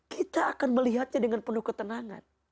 kita akan melihatnya dengan penuh ketenangan